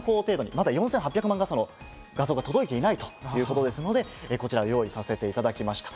まだ４８００万画素の映像が届いていないということで、こちらをご用意させていただきました。